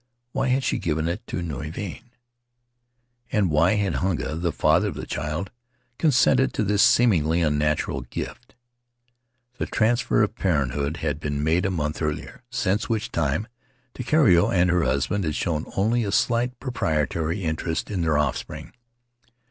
Why had she given it to Nui Vahine? And why had Hunga, the father of the child, con sented to this seemingly unnatural gift? The transfer of parenthood had been made a month earlier, since which time Takiero and her husband had shown only a slight, proprietary interest in their offspring.